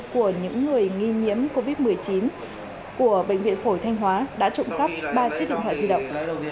của những người nghi nhiễm covid một mươi chín của bệnh viện phổi thanh hóa đã trộm cắp ba chiếc điện thoại di động